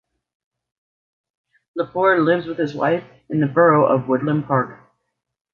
Lepore lives with his wife in the Borough of Woodland Park.